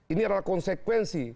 ini adalah konsekuensi